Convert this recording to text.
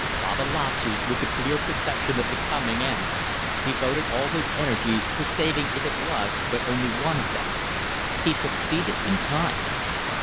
Babalatchi, with the clear perception of the coming end, devoted all his energies to saving if it was but only one of them. He succeeded in time.